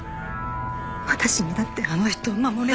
私にだってあの人を守れる。